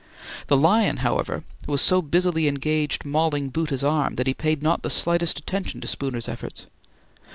The lion, however, was so busily engaged mauling Bhoota's arm that he paid not the slightest attention to Spooner's efforts.